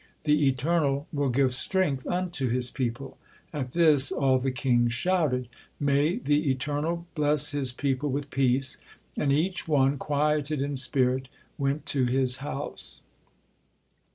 'The Eternal will give strength unto His people.'" At this all the kings shouted, "May the Eternal bless His people with peace," and each one, quieted in spirit, went to his house.